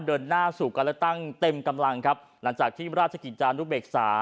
เดินหน้าสู่การเลือกตั้งเต็มกำลังครับหลังจากที่ราชกิจจานุเบกษา